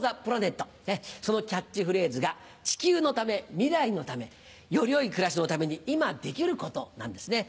そのキャッチフレーズが「地球のため未来のためより良い暮らしのために今できること」なんですね。